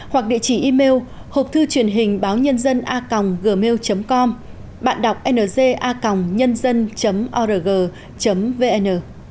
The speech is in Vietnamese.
hoặc địa chỉ email hộp thư truyền hình báo nhân dân a gmail com bạn đọc nga org vn